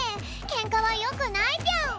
ケンカはよくないぴょん！